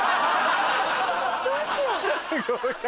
どうしよう。